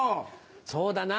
そうだな。